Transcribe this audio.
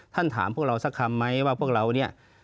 ถามพวกเราสักคำไหมว่าพวกเราเนี่ย